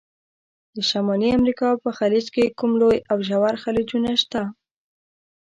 د شمالي امریکا په خلیج کې کوم لوی او ژور خلیجونه شته؟